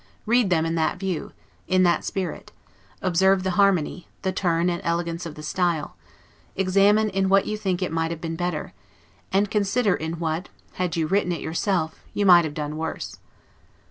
read them in that view, in that spirit; observe the harmony, the turn and elegance of the style; examine in what you think it might have been better; and consider in what, had you written it yourself; you might have done worse.